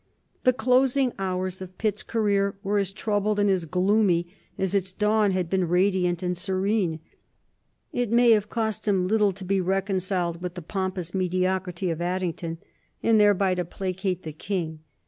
The closing hours of Pitt's career were as troubled and as gloomy as its dawn had been radiant and serene. It may have cost him little to be reconciled with the pompous mediocrity of Addington, and thereby to placate the King.